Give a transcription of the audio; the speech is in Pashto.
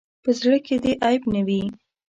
په زړۀ کې دې عیب نه وي.